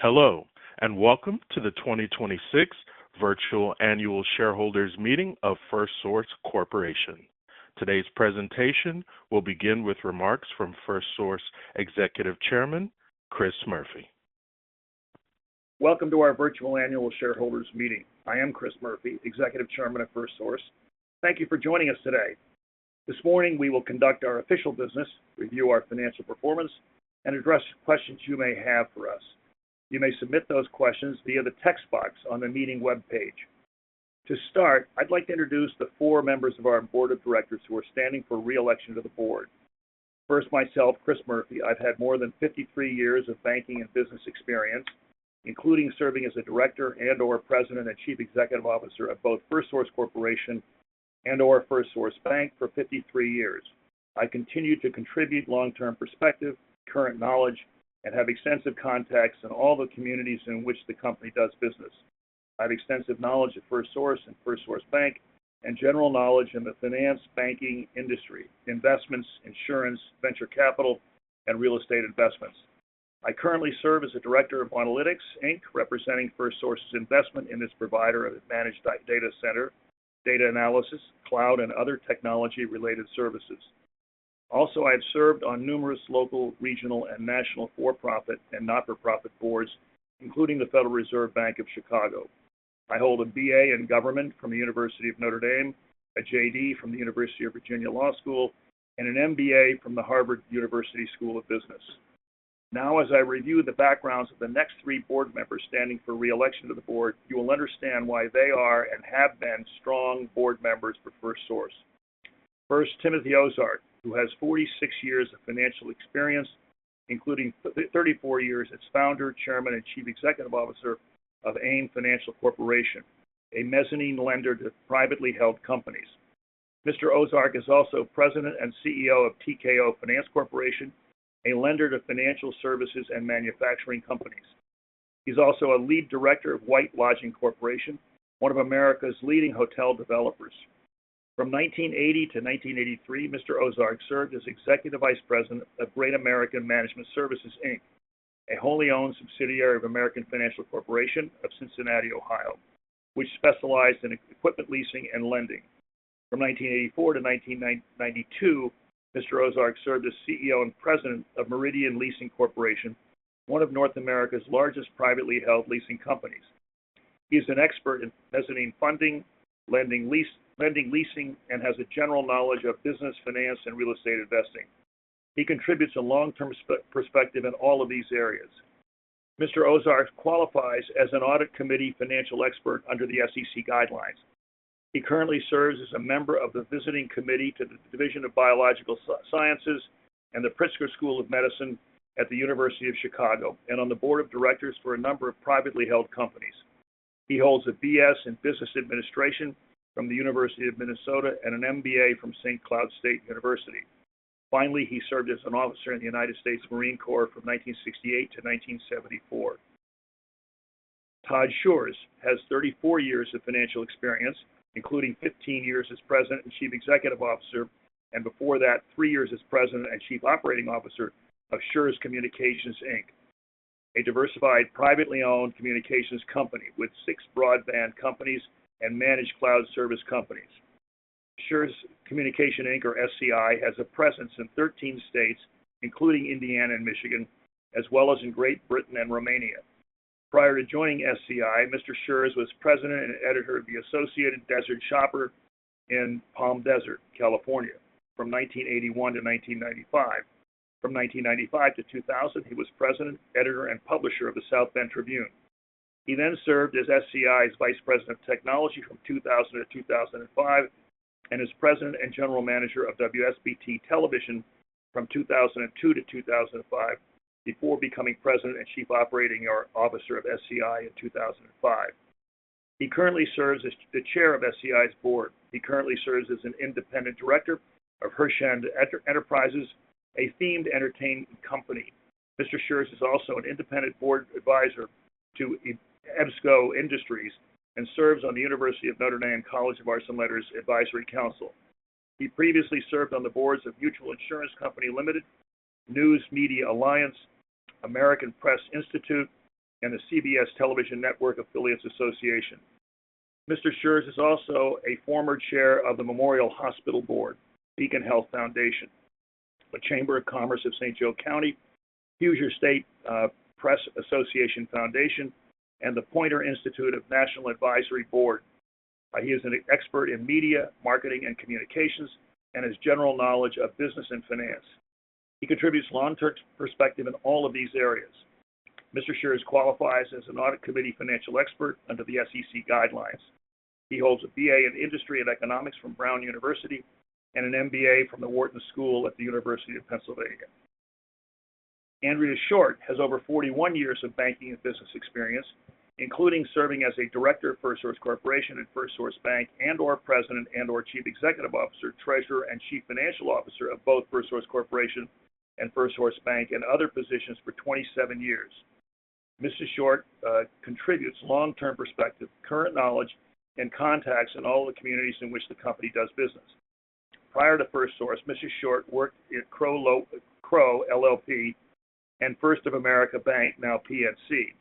Hello, and welcome to the 2026 Virtual Annual Shareholders Meeting of 1st Source Corporation. Today's presentation will begin with remarks from 1st Source Executive Chairman, Chris Murphy. Welcome to our virtual annual shareholders meeting. I am Chris Murphy, Executive Chairman of 1st Source. Thank you for joining us today. This morning, we will conduct our official business, review our financial performance, and address questions you may have for us. You may submit those questions via the text box on the meeting webpage. To start, I'd like to introduce the four members of our board of directors who are standing for re-election to the board. First, myself, Chris Murphy. I've had more than 53 years of banking and business experience, including serving as a director and/or President and Chief Executive Officer of both 1st Source Corporation and/or 1st Source Bank for 53 years. I continue to contribute long-term perspective, current knowledge, and have extensive contacts in all the communities in which the company does business. I have extensive knowledge of 1st Source and 1st Source Bank and general knowledge in the finance banking industry, investments, insurance, venture capital, and real estate investments. I currently serve as a director of Aunalytics, Inc., representing 1st Source's investment in this provider of managed data center, data analysis, cloud, and other technology-related services. Also, I have served on numerous local, regional, and national for-profit and not-for-profit boards, including the Federal Reserve Bank of Chicago. I hold a BA in government from the University of Notre Dame, a JD from the University of Virginia School of Law, and an MBA from the Harvard Business School. Now, as I review the backgrounds of the next three board members standing for re-election to the board, you will understand why they are and have been strong board members for 1st Source. First, Timothy Ozark, who has 46 years of financial experience, including 34 years as founder, chairman and chief executive officer of AIM Financial Corporation, a mezzanine lender to privately held companies. Mr. Ozark is also president and CEO of TKO Finance Corporation, a lender to financial services and manufacturing companies. He's also a lead director of White Lodging Services Corporation, one of America's leading hotel developers. From 1980 to 1983, Mr. Ozark served as Executive Vice President of Great American Management and Investment, Inc., a wholly owned subsidiary of American Financial Group, Inc. of Cincinnati, Ohio, which specialized in equipment leasing and lending. From 1984 to 1992, Mr. Ozark served as CEO and President of Meridian Leasing Corporation, one of North America's largest privately held leasing companies. He's an expert in mezzanine funding, lending, leasing, and has a general knowledge of business finance and real estate investing. He contributes a long-term perspective in all of these areas. Mr. Ozark qualifies as an audit committee financial expert under the SEC guidelines. He currently serves as a member of the Visiting Committee to the Division of Biological Sciences and the Pritzker School of Medicine at the University of Chicago, and on the board of directors for a number of privately held companies. He holds a B.S. in business administration from the University of Minnesota and an M.B.A. from St. Cloud State University. Finally, he served as an officer in the United States Marine Corps from 1968 to 1974. Todd F. Schurz has 34 years of financial experience, including 15 years as president and chief executive officer, and before that, three years as president and chief operating officer of Schurz Communications, Inc., a diversified, privately owned communications company with six broadband companies and managed cloud service companies. Schurz Communications, Inc., or SCI, has a presence in 13 states, including Indiana and Michigan, as well as in Great Britain and Romania. Prior to joining SCI, Mr. Schurz was president and editor of the Associated Desert Shoppers in Palm Desert, California from 1981 to 1995. From 1995 to 2000, he was president, editor, and publisher of the South Bend Tribune. He then served as SCI's Vice President of Technology from 2000 to 2005, and as President and General Manager of WSBT Television from 2002 to 2005 before becoming President and Chief Operating Officer of SCI in 2005. He currently serves as the Chair of SCI's board. He currently serves as an independent director of Herschend Enterprises, a themed entertainment company. Mr. Schurz is also an independent board advisor to EBSCO Industries and serves on the University of Notre Dame College of Arts and Letters Advisory Council. He previously served on the boards of Mutual Insurance Company Limited, News Media Alliance, American Press Institute, and the CBS Television Network Affiliates Association. Mr. Schurz is also a former chair of the Memorial Hospital Board, Beacon Health Foundation, the Chamber of Commerce of St. Joseph County, Hoosier State Press Association Foundation, and the Poynter Institute's National Advisory Board. He is an expert in media, marketing, and communications, and has general knowledge of business and finance. He contributes long-term perspective in all of these areas. Mr. Schurz qualifies as an audit committee financial expert under the SEC guidelines. He holds a BA in industry and economics from Brown University and an MBA from the Wharton School of the University of Pennsylvania. Andrea Short has over 41 years of banking and business experience, including serving as a director of 1st Source Corporation and 1st Source Bank and/or President and/or Chief Executive Officer, Treasurer, and Chief Financial Officer of both 1st Source Corporation and 1st Source Bank, and other positions for 27 years. Mrs. Short contributes long-term perspective, current knowledge, and contacts in all the communities in which the company does business. Prior to 1st Source, Mrs. Short worked at Crowe LLP and First of America Bank, now PNC.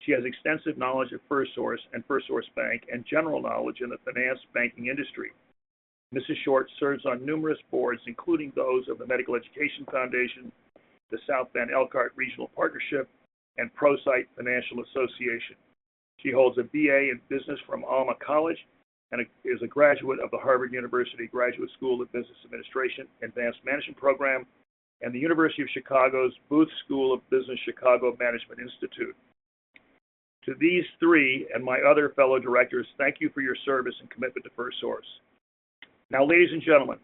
She has extensive knowledge of 1st Source and 1st Source Bank and general knowledge in the financial and banking industry. Mrs. Short serves on numerous boards, including those of the Medical Education Foundation, the South Bend Elkhart Regional Partnership, and ProSight Financial Association. She holds a BA in business from Alma College and is a graduate of the Harvard University Graduate School of Business Administration Advanced Management program and the University of Chicago's Booth School of Business Chicago Management Institute. To these three and my other fellow directors, thank you for your service and commitment to 1st Source. Now, ladies and gentlemen,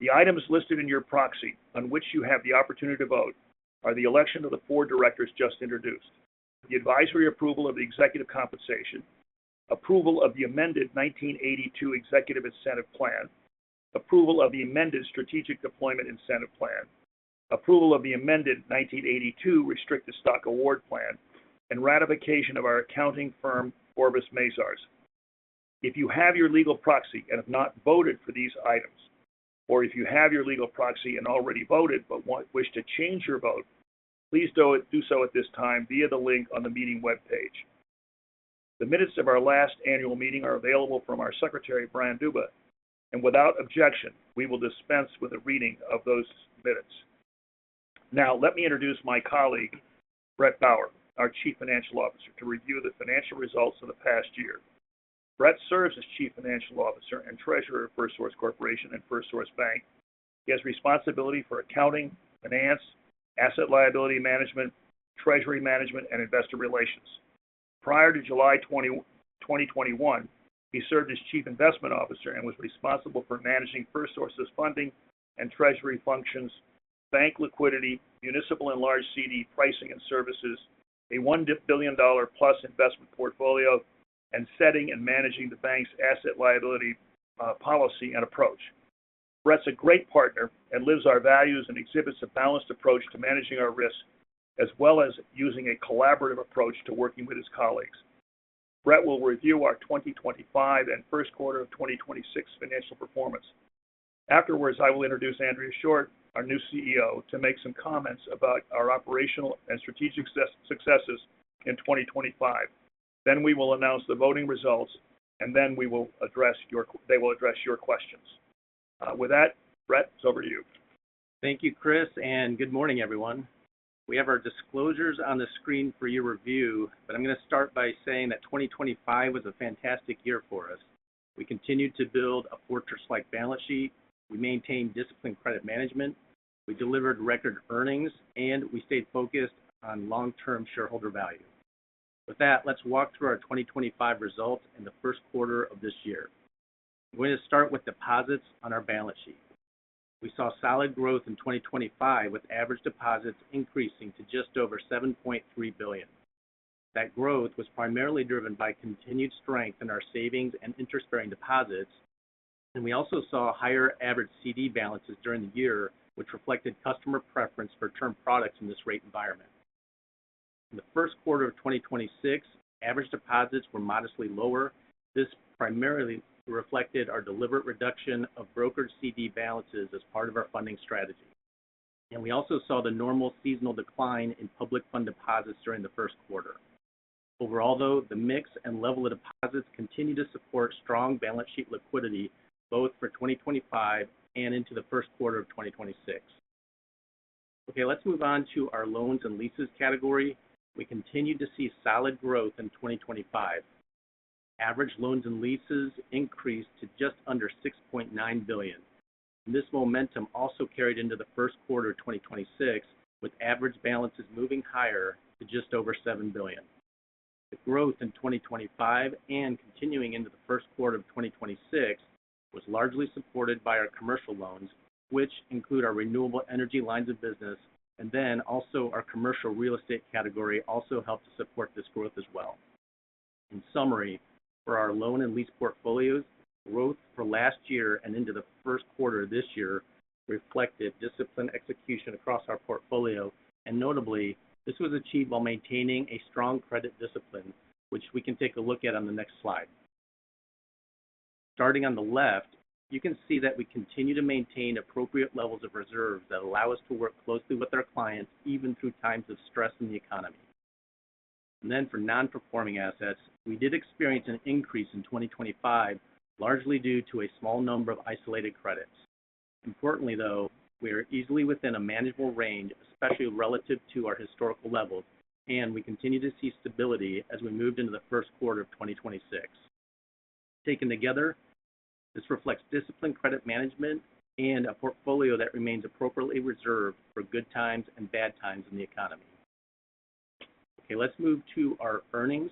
the items listed in your proxy on which you have the opportunity to vote are the election of the four directors just introduced, the advisory approval of the executive compensation, approval of the amended 1982 Executive Incentive Plan, approval of the amended Strategic Deployment Incentive Plan, approval of the amended 1982 Restricted Stock Award Plan, and ratification of our accounting firm, Forvis Mazars. If you have your legal proxy and have not voted for these items, or if you have your legal proxy and already voted but wish to change your vote, please do so at this time via the link on the meeting webpage. The minutes of our last annual meeting are available from our secretary, Brian Duba, and without objection, we will dispense with the reading of those minutes. Now, let me introduce my colleague, Brett Bauer, our Chief Financial Officer, to review the financial results of the past year. Brett serves as Chief Financial Officer and Treasurer of 1st Source Corporation and 1st Source Bank. He has responsibility for accounting, finance, asset liability management, treasury management, and investor relations. Prior to July 2021, he served as chief investment officer and was responsible for managing 1st Source's funding and treasury functions, bank liquidity, municipal and large CD pricing and services, a $1 billion+ investment portfolio, and setting and managing the bank's asset liability policy and approach. Brett's a great partner and lives our values and exhibits a balanced approach to managing our risk, as well as using a collaborative approach to working with his colleagues. Brett will review our 2025 and first quarter of 2026 financial performance. Afterwards, I will introduce Andrea Short, our new CEO, to make some comments about our operational and strategic successes in 2025. We will announce the voting results, and then they will address your questions. With that, Brett, it's over to you. Thank you, Chris, and good morning, everyone. We have our disclosures on the screen for your review, but I'm going to start by saying that 2025 was a fantastic year for us. We continued to build a fortress-like balance sheet, we maintained disciplined credit management, we delivered record earnings, and we stayed focused on long-term shareholder value. With that, let's walk through our 2025 results and the first quarter of this year. I'm going to start with deposits on our balance sheet. We saw solid growth in 2025, with average deposits increasing to just over $7.3 billion. That growth was primarily driven by continued strength in our savings and interest-bearing deposits, and we also saw higher average CD balances during the year, which reflected customer preference for term products in this rate environment. In the first quarter of 2026, average deposits were modestly lower. This primarily reflected our deliberate reduction of brokered CD balances as part of our funding strategy. We also saw the normal seasonal decline in public fund deposits during the first quarter. Overall, though, the mix and level of deposits continue to support strong balance sheet liquidity, both for 2025 and into the first quarter of 2026. Okay, let's move on to our loans and leases category. We continued to see solid growth in 2025. Average loans and leases increased to just under $6.9 billion. This momentum also carried into the first quarter of 2026, with average balances moving higher to just over $7 billion. The growth in 2025 and continuing into the first quarter of 2026 was largely supported by our commercial loans, which include our renewable energy lines of business, and then also our commercial real estate category also helped to support this growth as well. In summary, for our loan and lease portfolios, growth for last year and into the first quarter this year reflected disciplined execution across our portfolio. Notably, this was achieved while maintaining a strong credit discipline, which we can take a look at on the next slide. Starting on the left, you can see that we continue to maintain appropriate levels of reserves that allow us to work closely with our clients even through times of stress in the economy. Then for non-performing assets, we did exprience an increase in 2025, largely due to a small number of isolated credits. Importantly, though, we are easily within a manageable range, especially relative to our historical levels, and we continue to see stability as we moved into the first quarter of 2026. Taken together, this reflects disciplined credit management and a portfolio that remains appropriately reserved for good times and bad times in the economy. Okay. Let's move to our earnings.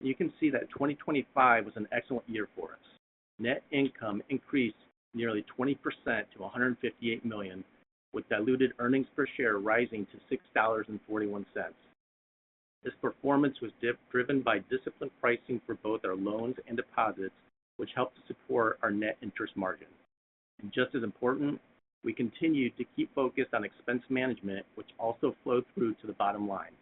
You can see that 2025 was an excellent year for us. Net income increased nearly 20% to $158 million, with diluted earnings per share rising to $6.41. This performance was driven by disciplined pricing for both our loans and deposits, which helped to support our net interest margin. Just as important, we continued to keep focused on expense management, which also flowed through to the bottom line.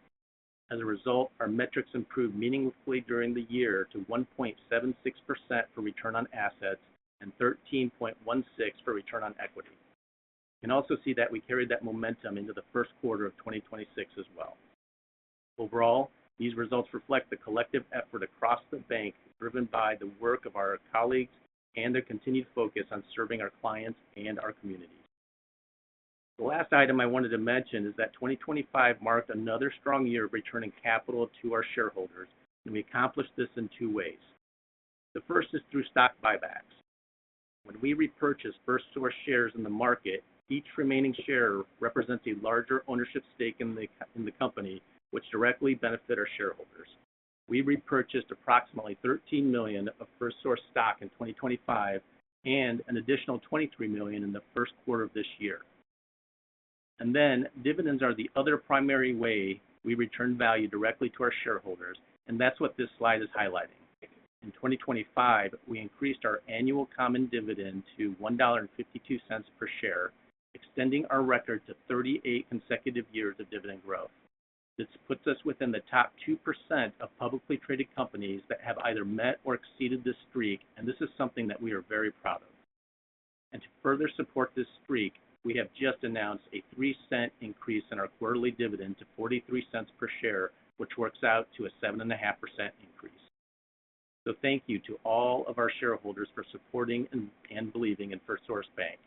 As a result, our metrics improved meaningfully during the year to 1.76% for return on assets and 13.16% for return on equity. You can also see that we carried that momentum into the first quarter of 2026 as well. Overall, these results reflect the collective effort across the bank, driven by the work of our colleagues and their continued focus on serving our clients and our communities. The last item I wanted to mention is that 2025 marked another strong year of returning capital to our shareholders, and we accomplished this in two ways. The first is through stock buybacks. When we repurchase 1st Source shares in the market, each remaining share represents a larger ownership stake in the company, which directly benefit our shareholders. We repurchased approximately 13 million of 1st Source stock in 2025 and an additional 23 million in the first quarter of this year. Dividends are the other primary way we return value directly to our shareholders, and that's what this slide is highlighting. In 2025, we increased our annual common dividend to $1.52 per share, extending our record to 38 consecutive years of dividend growth. This puts us within the top 2% of publicly traded companies that have either met or exceeded this streak, and this is something that we are very proud of. To further support this streak, we have just announced a $0.03 increase in our quarterly dividend to $0.43 per share, which works out to a 7.5% increase. Thank you to all of our shareholders for supporting and believing in 1st Source Bank.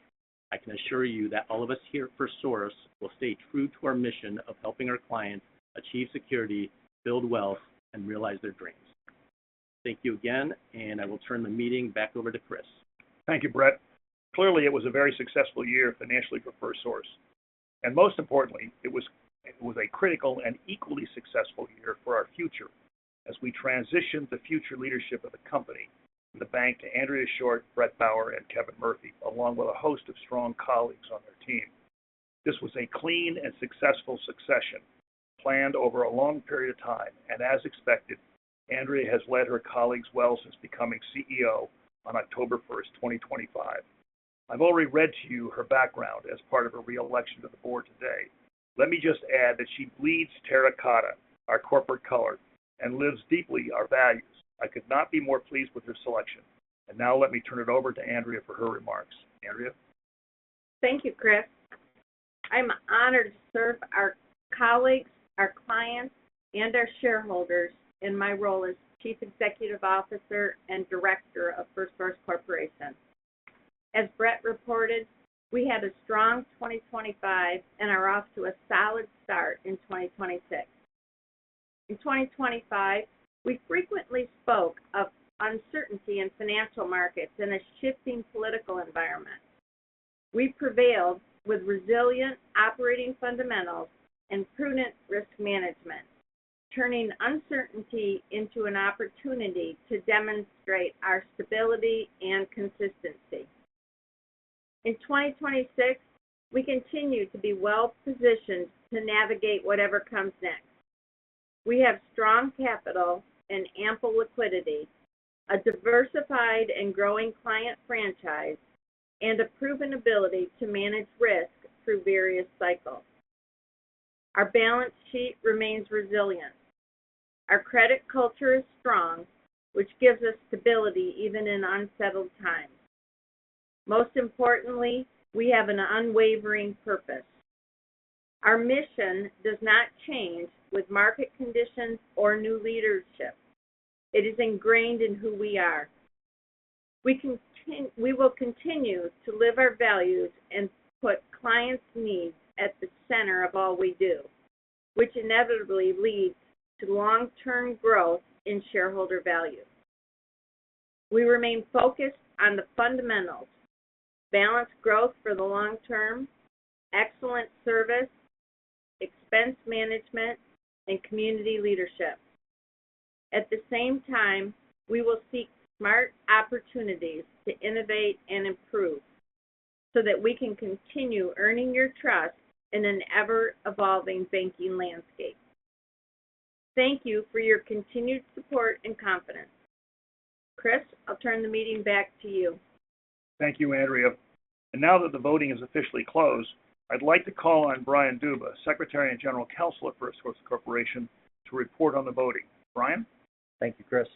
I can assure you that all of us here at 1st Source will stay true to our mission of helping our clients achieve security, build wealth, and realize their dreams. Thank you again, and I will turn the meeting back over to Chris. Thank you, Brett. Clearly, it was a very successful year financially for 1st Source. Most importantly, it was a critical and equally successful year for our future as we transitioned the future leadership of the company and the bank to Andrea Short, Brett Bauer, and Kevin Murphy, along with a host of strong colleagues on their team. This was a clean and successful succession planned over a long period of time. As expected, Andrea has led her colleagues well since becoming CEO on October first, 2025. I've already read to you her background as part of her reelection to the board today. Let me just add that she bleeds terracotta, our corporate color, and lives deeply our values. I could not be more pleased with this selection. Now let me turn it over to Andrea for her remarks. Andrea? Thank you, Chris. I'm honored to serve our colleagues, our clients, and our shareholders in my role as Chief Executive Officer and Director of 1st Source Corporation. As Brett reported, we had a strong 2025 and are off to a solid start in 2026. In 2025, we frequently spoke of uncertainty in financial markets in a shifting political environment. We prevailed with resilient operating fundamentals and prudent risk management, turning uncertainty into an opportunity to demonstrate our stability and consistency. In 2026, we continue to be well positioned to navigate whatever comes next. We have strong capital and ample liquidity, a diversified and growing client franchise, and a proven ability to manage risk through various cycles. Our balance sheet remains resilient. Our credit culture is strong, which gives us stability even in unsettled times. Most importantly, we have an unwavering purpose. Our mission does not change with market conditions or new leadership. It is ingrained in who we are. We will continue to live our values and put clients' needs at the center of all we do, which inevitably leads to long-term growth in shareholder value. We remain focused on the fundamentals, balanced growth for the long term, excellent service, expense management, and community leadership. At the same time, we will seek smart opportunities to innovate and improve so that we can continue earning your trust in an ever-evolving banking landscape. Thank you for your continued support and confidence. Chris, I'll turn the meeting back to you. Thank you, Andrea. Now that the voting is officially closed, I'd like to call on Brian Duba, Secretary and General Counsel of 1st Source Corporation, to report on the voting. Brian? Thank you, Chris.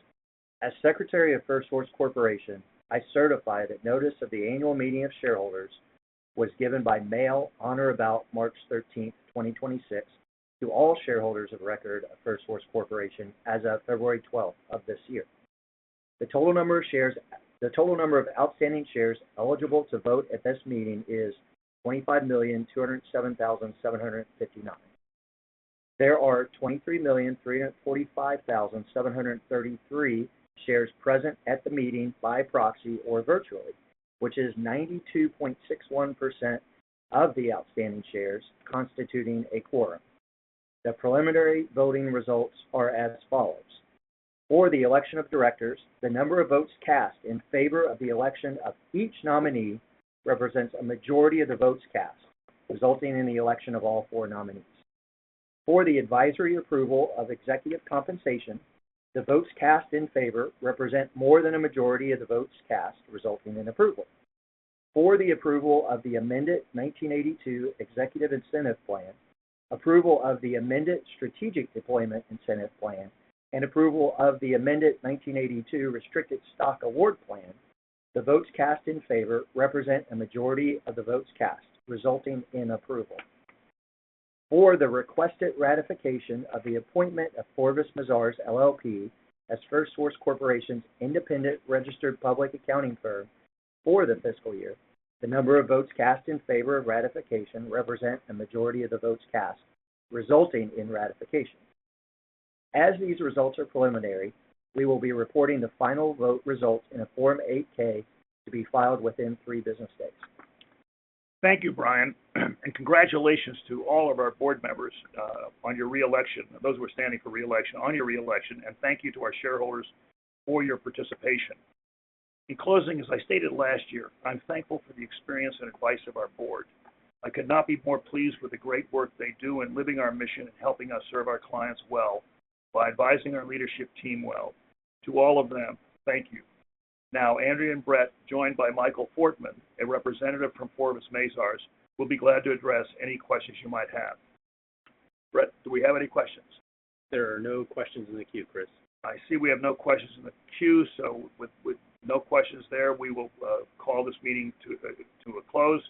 As Secretary of 1st Source Corporation, I certify that notice of the annual meeting of shareholders was given by mail on or about March thirteenth, 2026 to all shareholders of record of 1st Source Corporation as of February twelfth of this year. The total number of outstanding shares eligible to vote at this meeting is 25,207,759. There are 23,345,733 shares present at the meeting by proxy or virtually, which is 92.61% of the outstanding shares constituting a quorum. The preliminary voting results are as follows. For the election of directors, the number of votes cast in favor of the election of each nominee represents a majority of the votes cast, resulting in the election of all four nominees. For the advisory approval of executive compensation, the votes cast in favor represent more than a majority of the votes cast, resulting in approval. For the approval of the amended 1982 Executive Incentive Plan, approval of the amended Strategic Deployment Incentive Plan, and approval of the amended 1982 Restricted Stock Award Plan, the votes cast in favor represent a majority of the votes cast, resulting in approval. For the requested ratification of the appointment of Forvis Mazars, LLP as 1st Source Corporation's independent registered public accounting firm for the fiscal year, the number of votes cast in favor of ratification represent a majority of the votes cast, resulting in ratification. As these results are preliminary, we will be reporting the final vote results in a Form 8-K to be filed within three business days. Thank you, Brian, and congratulations to all of our board members on your reelection. Those who are standing for reelection, and thank you to our shareholders for your participation. In closing, as I stated last year, I'm thankful for the experience and advice of our board. I could not be more pleased with the great work they do in living our mission and helping us serve our clients well by advising our leadership team well. To all of them, thank you. Now, Andrea and Brett, joined by Michael Fortman, a representative from Forvis Mazars, will be glad to address any questions you might have. Brett, do we have any questions? There are no questions in the queue, Chris. I see we have no questions in the queue, so with no questions there, we will call this meeting to a close.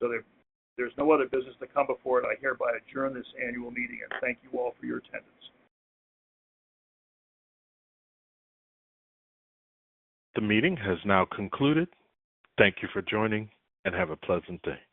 There's no other business to come before it. I hereby adjourn this annual meeting, and thank you all for your attendance. The meeting has now concluded. Thank you for joining, and have a pleasant day.